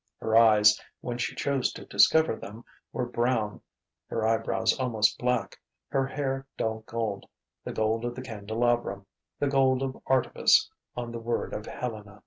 Her eyes, when she chose to discover them, were brown, her eyebrows almost black, her hair dull gold, the gold of the candelabrum the gold of artifice, on the word of Helena.